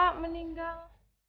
makasih ya bu